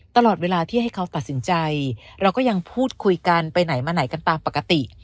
ตลอดเวลาที่ให้เขาตัดสินใจเราก็ยังพูดคุยกันไปไหนมาไหนกันตามปกติ